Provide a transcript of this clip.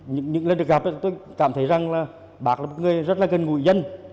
những lần được gặp tôi cảm thấy rằng là bác là một người rất là gần gũi dân